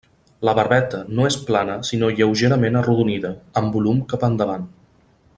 La barbeta no és plana sinó lleugerament arrodonida, amb volum cap endavant.